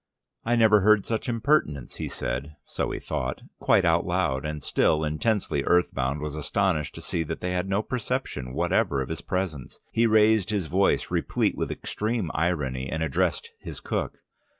"I never heard such impertinence," he said (so he thought) quite out loud, and still intensely earth bound, was astonished to see that they had no perception whatever of his presence. He raised his voice, replete with extreme irony, and addressed his cook.